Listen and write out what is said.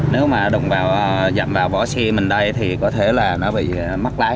nếu mà đụng vào dặm vào vỏ xe mình đây thì có thể là nó bị mất lái